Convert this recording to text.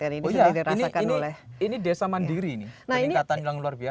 ini desa mandiri ini peningkatan yang luar biasa